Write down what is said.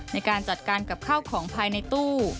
ในการจัดการกับข้าวของภายในตู้